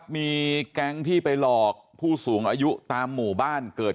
มีแก๊งที่ไปหลอกผู้สูงอายุตามหมู่บ้านเกิด